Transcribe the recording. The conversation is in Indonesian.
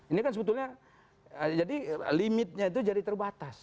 ini kan sebetulnya jadi limitnya itu jadi terbatas